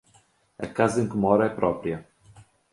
A casa em que moro é própria.